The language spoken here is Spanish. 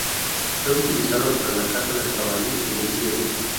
Fue utilizado para la caza del jabalí y del ciervo.